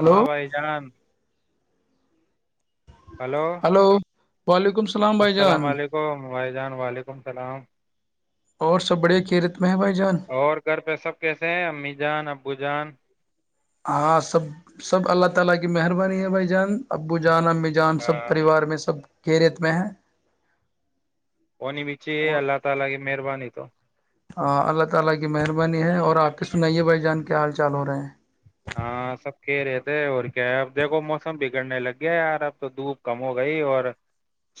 Hello ہاں بھائی جان ہلو وعلیکم السلام بھائی جان و جان وعلیکم السلام اور سب بڑے کیرت میں ہے بھائی جان اور گھر پہ سب کیسے ہیں امی جان ا بھجان سب سب اللہ تعالی کی مہربانی ہے بھائی جان ابو جان جان آ، سب پریوار میں سب خیریت میں ہے اور اللہ تعالی کی مہربانی [unintelligible] اللہ تعالی کی مہربانی ہے اور اپ کی سنائیے بھائی جان کیا حال چال ہو رہا ہے ہاں سب کہہ رہے تھے اور کیا ہے اب دیکھو موسم بگڑنے لگ گیا یار اب تو دھوپ کم ہو گئی اور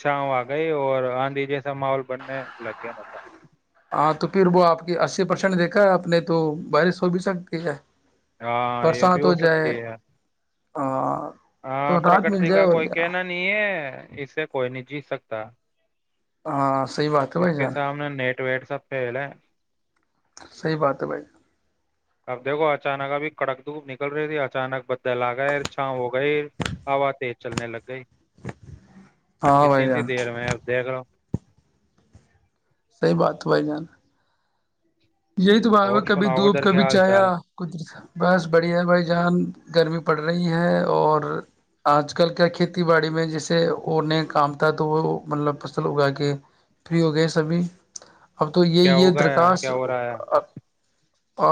چاں آ گئی اور آندھی جیسا ماحول بننے لگ گیا مسب ہاں تو پھر وہ آپ کی اسی پرسینٹ دیکھا ہے آپ نے تو بارش ہو بھی سکتی ہے ہاں یہ بھی برسات ہو جائے سکتی ہے [inaudible] ہاں تو رات مل پرکرتی جائے کا اور کوئی کیا کہنا نہیں ہے اسے کوئی نہیں جی سکتا [inaudible] [unintelligible] اس کے جان سامنے نیٹ وٹ سپ لے صحی بات ہے بھائی اب دیکھو اچانک ابھی کڑک دھوپ نکل رہی تھی اچانک بدل آ گئے چھا ہو گئی ہا تیز چلنے لگ گئی ہاں اتنی بھائی سی جان دیر میں دیکھ رہا صحی بات ہو بھائی جان یہی تو وہاں اور کبھی سناؤ دھوپ ادھر کیا کبھی حال چال چایادر بس بڑھیا ہے بھائی جان گرمی پڑ رہی ہے اور آج کل کیا کھیتی باڑی میں جیسے اوڑنے کام تھا تو وہ مطلب فصل اگا کے فری ہو گئے سبھی اب تو یہ کیا یہ ہوگا یا درخواست کیا ہو رہا ہے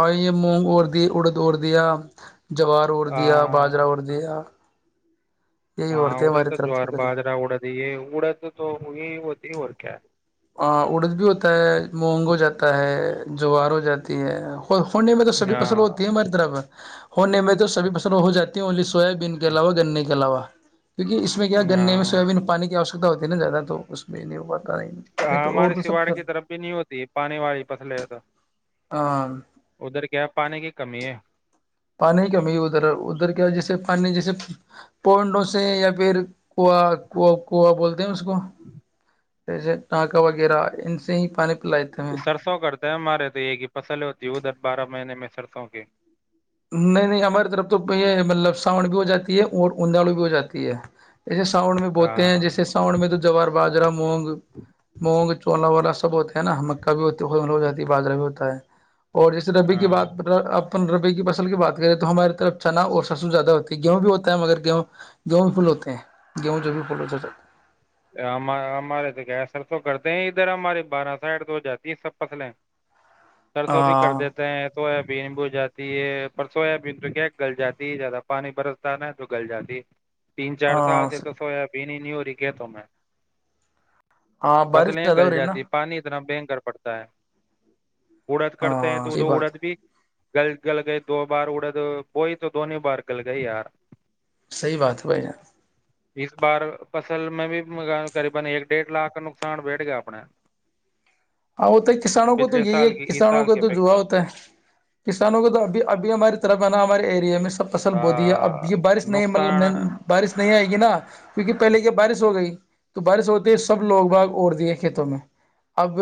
آئیے مونگ ا دی اڑدڑ دیا جوار اور دیا ہاں باجرہ اور دیا یہی ہاں عورتیں ادھر ہماری تو طرف جوار سے کریں باجرا اڑ دیے اڑد تو ہوئی ہوتی اور [inaudible] ارد بھی ہوتا ہے مونگ ہو جاتا ہے جوار ہو جاتی ہے ہونے میں تو ہے۔ سبھی فصل ہاں ہوتی ہے ہماری طرف ہونے میں تو سھی پسند ہو جاتی ہیں انلی سویا بین کے علاوہ گننے کے علاوہ کیونکہ اس میں کیا گے میں ہاں سویابین پانی کیو ہوتی نا زیادہ تو اس میں نہیں ہو پتا نہیں ہاں تو اور ہمارے تو سواڑ سب کی طرف بھی نہیں ہوتی پانی والی پتلے تو ہاں ادھر کیا پانی کی کمی ہے پانی کمی ادھر ادھر کیا جیسے پانی جیسے پونڈوں سے یا پھر کوا کا کوا بولتے ہیں اس کو جیسے ٹانکا وغیرہ ان سے ہی پانی لائیتے میں سرسوں کرتے ہمارے تو یہ ہی فصلیں ہوتی ادھر بارہ مہینے میں سرسوں کی نہیں نہیں ہماری طرف تو مطلب سان بھی ہو جاتی ہے اور اندھڑو بھی ہو جاتی ہے جیسے سانڈ میں بولتے ہیں ہاں جیسے سانڈ میں تو جوار باجرا مونگ مونگ چولا و والا سب ہوتے ہے ن ہمکہ بھی ہو تو ختم ہو جاتی ہے باجا بھی ہوتا ہے اور جیس ربی کی ہاں بات اپن رب بس ل کی بات کریں تو ہماراری طرف چنا اور سسو زیادہ ہوتی ہے گیہوں بھی ہوتا ہے مگر گیہوں گیہوں بھی پھول ہوتے ہیں گیہوں جو بھی فھول ہوتا ہم ہمارے تو کیا سر تو کرتے ہیں ادھر ہماری بارہ سائٹ تو ہو جاتی ہیں سب فصلیں سرسوں بھی کر ہاں دیتے ہیں تو ہے بین ب جاتی ہے پر سویابین تو کیا گل جاتی ہے زیادہ پانی برستا ہے نا تو گل جاتی تین چار سال ہاں سے تو سوب نی ج کیا تو میں ہاں بارش بسل زیادہ ہو گل رہی ہے نا جاتی پانی اتنا بینک پڑتا ہے اڑد کرتے ہیں ہاں تود صحیح بات اڑد ہے بھی گل گل گئی دو بار اڑے تو وہی تو دنی بار گل گئی یار صحی بات ہے بھائی جان اس بار فصل میں بھی مگا قریبا ایک ڈیھ لاکھ کا نقصان بیٹھ گیا اپنا ہاں ہوتا ہے کسانوں کو تو پچھلے یہی ہے سال کی اس کسانوں سال کا کی تو جوا اپیکشا ہوتا ہے کسانوں کا تو ابھی ابھی ہماری طرف ہے نا ہمارے ایریا میں سب اصل آ، بو دی ہے اب یہ بارش نہیں مطلب نقصان نہیں بارش نہیں آئے گی نا کیکہ پہلے کیا بارش ہو گئی تو بارش ہوتے سب لوگ باگ اوڑ دیے کھیتوں میں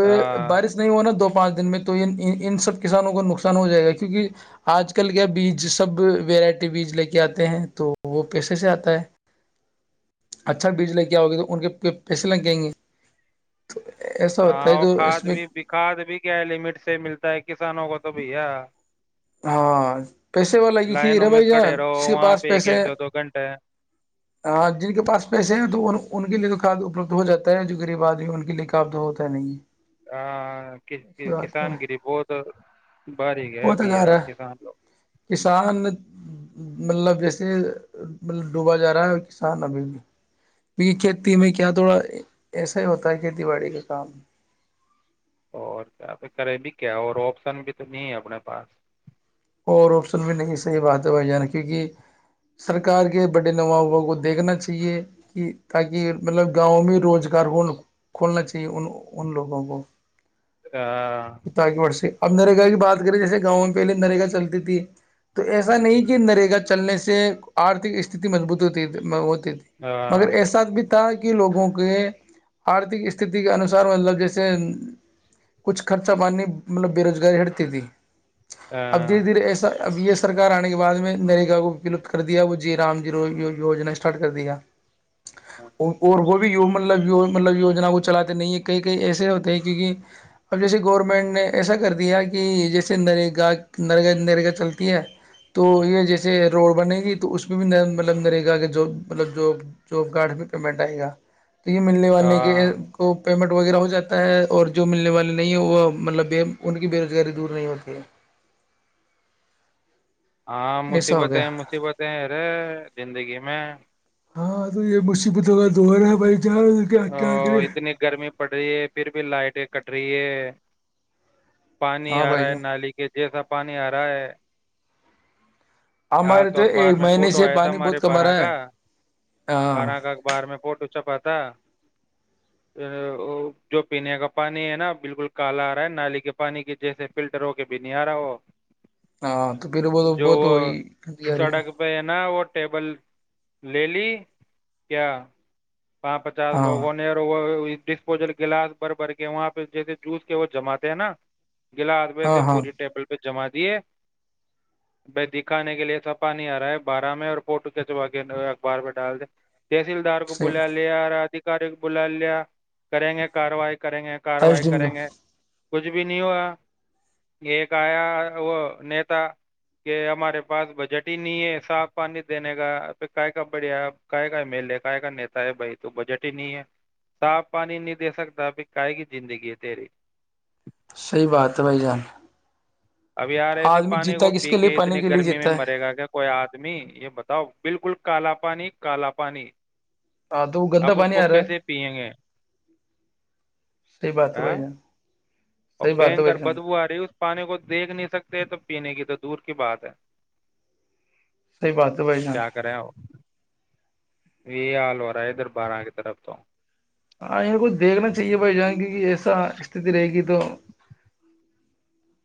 آ، بارش نہیں ہونا دوپہ پانچ دن میں تو ان سب کسانوں کو نقصان ہو جائے گا کیونکہ آج کل کیا بیج سب ویرائٹی بیج لے کے آتے ہیں تو وہ پیسے سے آتا ہے اچھا بیج لے کے آؤ گے تو ان کے پیسے لگ جائیں گے تو ای ست اور کھاد بھی کھاد بھی کیا ہے لپٹتے ملتے ہیں کسانوں کو تو بھیا ہاں پیسے وال ل کی کہر لائنوں میں بھائی جان کھڑے رہو جس کے وہاں پاس پہ ایک پیسے ایک دو دو گھنٹے ہاں جن کے پاس پیسے ہیں تو ان ان کے لیے تو کھاد اپلبدھ ہواتا ہے جو غریب آدمی ہے ان کے لیے کعاب تو ہوتا ہے نہیں ہے ہاں کسان گری بہت باریک ہے پہتا جا بھیا رہا ہے کسان لوگ کسان مطلب جیسے مطلب ڈوبا جا رہا ہے کسان ابھی بھی کیونکہ کھیتی میں کیا تھوڑا ایسا ہی ہوتا ہے کھیتی باڑی کا کام اور کیا پ کرے بھیی کیا اور آپشن بھی تو نہیں ہے اپنے پاس اور آپشن بھی نہیں صحیح بات ہے بھائی جانا کیونکہ سرکار کے بڑے نوابوں کو دیکھنا چاہیے کہ تاکہ مطلب گاؤں میں روزگار کھولنا چاہیے ان ان لوگوں کو ہ خطہ کی وٹ سے اب نرگا کی بات کر جیے گاؤں پہے نرگا چلتی تھی تو ایسا نہیں کہ نرگا چلنے سے آرتک استتی مضبوط ہوتی ہے وہ تھی آ، مگر احساتھ بھی تو کہ لوگوں کے آرتھک استتی کے انسار مطلب جیسے کچھ خرچہ پاننی مطلب بے روزگاری ہٹتی تھی آ، اب دھیرے دھیرے اب یہ سرار آنے کے بع میں نیرگا کو ولت کر دیا وہ جی رام جیو یوجنا اسٹارٹ کر دیا اور اور وہ مطلب مطلب یو جنا کو چلاتے نہیں ہے کئی کئی ایسے ہوتے ہیں کیونکہ اب جیسے گورنمنٹ نے ایسا کر دیا کہ جیسے نرگا نرگ نرگا چلتی ہے تو یہ جیسے روڈ بنے گی تو اس میں بھی مل نرگا کے ج ملب جاب کارڈ بھی پیمنٹ آئے گا تو یہ ملنے والے کے آ، کو پیمنٹ وغیرہ ہو جاتا ہے اور جو ملنے والے نہیں ہے وہ مطلب ان کی بے روزگاری دور نہیں ہوتی ہے ہاں ایسا ہو گیا مصیبتیں مصیبتیں ارے زندگی میں میں ہاں تو یہ مصیبتوں کا دور ہے بھائی جان کیا ا کیا کرے اتنی گرمی پڑ رہی ہے پھر بھی لائٹیں ک رہی ہے پانی ہاں آ بھائی رہا ہے جان نالی کے جیسا پانی ا رہا ہے ہاں ہمارے تو اخبار ایک میں مہینے فوٹو سے آیا تھا پانی ہمارے بہت کم آ بارہ رہا کا ہے ہاں بارہ کا اخبار میں فوٹو چپاتا جو پینے کا پانی ہے نا بالکل کالا آ رہا ہے نالی کے پانی کی جیسے فلٹر ہو کے بھی نہیں آ رہا وہ ہاں تو پھر وہ بہت وہی گند آ رہی ہے سڑک پہ نا وہ ٹیبل لے لی کیا پانچ پچاس ہاں لوگوں نے اور وہ ڈسپوزل گلاس بر بر کے وہاں پہ جیسے جوس کے وہ جماتے ہیں نا گلا آدمی ہاں سے ہاں پوری ٹیبل پہ جما دیے ب دکھانے کے لیے سپا نہیں آ رہا ہے بارہ میں اور فوٹو کچوا کے اخبار پہ ڈال د تحصیل دار صحیح بولا لےار ادھ بل لیا کریں گے کارروائی کی کریں گے آئس کاروائی ڈم کریں کو گے کچھ بھی نہیں ہوا ایک آیا وہ نیتا کہ ہمارے پاس بجٹ ہی نہیں ہے صاف پانی دینے کا پ کا کا بڑھیا کا کا میل ہے کا کا نیتا بھائی تو بجٹ ہی نہیں ہے صاف پانی نہیں دے سکتا ابھی کائے کیی زندگی ہے تری صحی بات ہے بھائی جان ابھی یار ایسے آدمی پانی کو جیتا کس پی لیے کے پانی اتنی لیے گرمی میں جیتا ہے مرے گا کیا کوئی آدمی یہ بتاؤ بالکل کالا پانی کالا پانی ہاں تو وہ گندا اب اس پانی کو آ رہا ہے کیسے پیئیں گے صی بات ہے ہاں بھائی جان اور صحیح بات ہے بیننکر بھائی جان بدبو آ رہی ہے اس پانی کو دیکھ نہیں سکتے تو پینے کی دور کے بعاتد ہے صحیح بات ہے بھائی جان یہی حال ہو رہا ہے ادھر بارہ کی طرف تو ہاں یہیں کوچ دیکھنا چاہیے بھائی جائیں گ کہ ایسا استتی رہے گی تو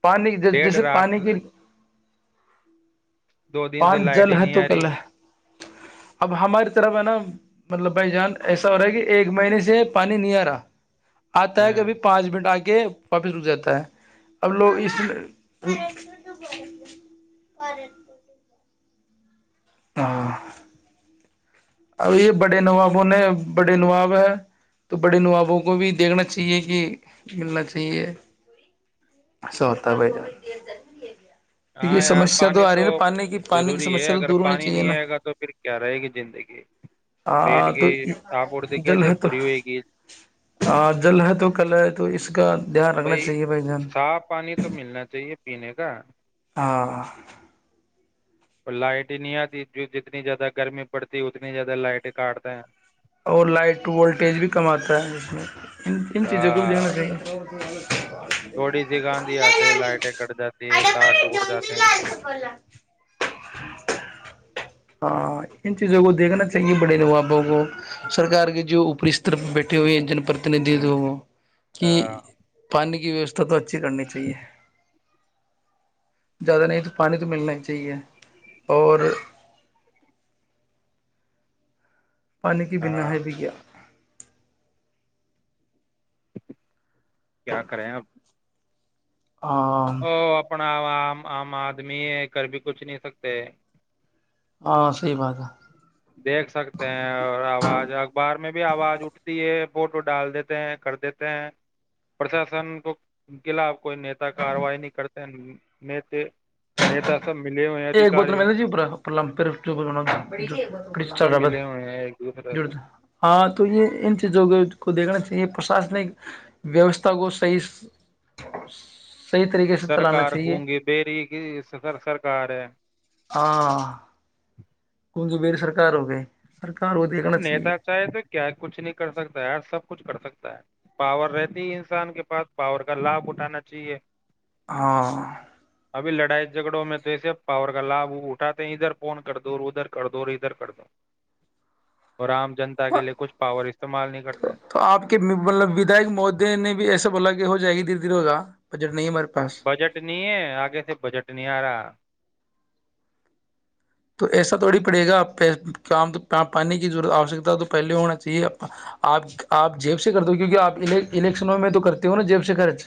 پانی ڈیڑھ جیسے رات پانی کی [inaudible] سے- دو دن سے پان لائٹ جل ہی ہے نہیں تو آ کل رہی ہے اب ہماری طرف ہے نا مطلب بھائی جان ایسا ہو رہا ہے کہ ایک مہینے سے پانی نہیں آ رہا آتا ہے ہاں کبھی پانچ منٹ آ کے کہ واپس رک جاتا ہے اب لوگ اس میں تو [unintelligible] اب یہ بڑے نوابوں نے بڑے نواب ہے تو بڑے نوابوں کو بھی دیکھنا چاہیے کہ ملنا چاہیے سوتا با [unintelligible] یہ ہاں یار سمسیا تو پانی آ رہی ہے نا پانی کی پانی کی ضروری ہے سمسیا تو اگر دور ہونی پانی چاہیے نہیں نا آئے گا تو پھر کیا رہے گی زندگی ہاں پیٹ کی تو آپورتی جل کیسے ہے تو پوری ہوئے گی ہ جل ہے تو کل ہے تو اس کا دھیان رکھنا چاہیے بھائی دھیان صاف پانی تو ملنا چاہیے پینے کا ہاں اور لائٹ ہی نہیں آتی جو جتنی زیادہ گرمی پڑتی اتنی زیادہ لائٹیں کاٹتے ہیں اور لائٹ وولٹیج بھی کم آتا ہے اس میں ان ان چیزوں کو بھی آ، دیکھنا چاہیے تھوڑی سی گاندھی آتے ہے لائٹیں کٹ جاتی ہے تا ٹوٹ جاتے ہیں کیا ہاں ان چیزوں کو دیکھنا چاہیے بڑےل وہ آبوں کو سرک کے جو اوپری استر پ بیٹھے ہوئے ہیں جن پرتیندھی تو وہ کہ پ [unintelligible] ویوھا تو اچھی کرنی چاہیے زیادہ نہیں تو پانی تو ملنا ہی چاہیے اور پانی کی بنا ہے بھی کیا کیا کریں آپ ہ ام عام آدمی ہے کھر بھی کچھ نہیں سکتے ہاں صحی بات ہے دیکھ سکتے ہیں اور آواز اخبار میں بھی آواز اٹھتی ہے فوٹو ڈال دیتے ہیں کر دیتے ہیں پرشاسن کو خلاف کوئی نیتا کاروائی نہیں کرتے نیتا سب ملے ہوئے ہیں ایک بوتل ادھیکاریوں مل جی اپ ا لمپ [unintelligible] ی چل سب رہا ہے ب ملے ہوئے ہیں ایک دوسرے سے ج ہاں تو یہ ان چیزوں کے کو دیکھنا چاہیے پرشاسنک ویوستھا کو صحی سے چلانا سرکار چاہیے گگ بری کی سر سرکار ہے ہاں کونک میر سرکار ہو گئے نیتا چاہے تو کیا کچھ نہیں کر سکتا یار سب کچھ کر سکتا پاور رہتی ہے انسان کے پاس پاور کا لابھ اٹھانا چاہیے ہاں جھڑوں میں تو ایسے پاور کا لابھ اٹاتے ہیں ادھر فون کر دور ادھر کر دور ادھر کر دو اور عام جنتا ہاں کے لیے کچھ پاور استعمال نہیں کرتا تو ہے تو آپ کے مطلب وداک مہودے نے بھی ایسے بولا کہ ہو جائے گی دھیر دھیر ہوگا پر جٹ نہیں مر پ بجٹ نہیں ہے آگے سے بجٹ نہیں آ رہا تو ایسا تھوڑی پڑے گا آپ پ پانی کی ضورت آشکتا تو پہلے ہونا چاہیے آپ آپ جیب سے کرتے ہو کیونکہ آپ الیکشنوں میں تو کرتے ہو نا جیب سے خرچ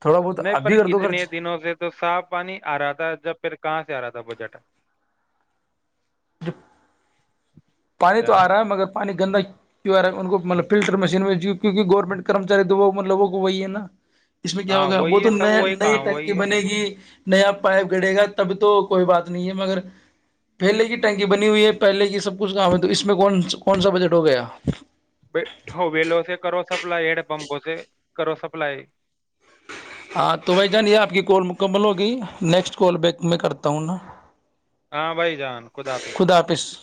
تھوڑا بہت نہیں اب پر بھی کر دو اتنے خرچ دنوں سے تو صاف پانی آ رہا تھا جب پھر کہاں سے آ رہا تھا بجٹ ج پانی تو آ رہا ہے مگر پانی گندا کیوں آ رہا ہے ان کو مطلب فلٹر مشین میں جو کیونکہ گورنمنٹ کرمچاری تو مل لووں کو وہی ہے نا اس میں کیا ہاں ہوگا وہ وہی تو ہے سب نئے وہی نئے کام ٹک کی وہی ہے بنے گی نیا پائپ گڑے گا تب تو کوئی بات نہیں ہے مگر پھر لے کی ٹینکی بنی ہوئی ہے پہلے کی سب کچھ کام ہے تو اس میں کون کون سا بجٹ ہو گیا ہو ول سے کرو سپلائی ہیڈ پمپوں سے کرو سپلائی ہاں تو بھائی جانیے آپ کی کال مکمل ہوگئی نیکسٹ کال بیک میں کرتا ہوں نا ہاں بھائی جان کد آپظ خدا حافظ